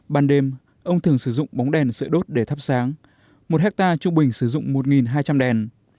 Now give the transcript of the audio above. ban đêm ông thường sử dụng bóng đèn sợi đốt để thắp sáng một ha trung bình sử dụng một hai trăm linh đèn